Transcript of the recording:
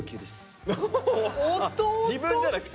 自分じゃなくて？